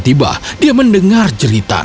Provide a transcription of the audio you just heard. tapi tiba tiba dia mendengar jeritan